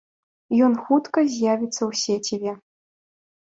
Ён хутка з'явіцца ў сеціве.